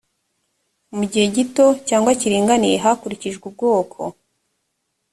mu gihe gito cyangwa kiringaniye hakurikijwe ubwoko